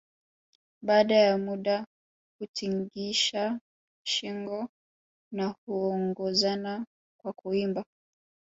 Baada ya muda hutingisha shinngo na huongozana kwa kuimba